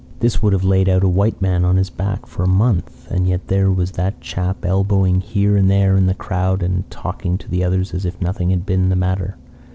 This would have laid out a white man on his back for a month: and yet there was that chap elbowing here and there in the crowd and talking to the others as if nothing had been the matter.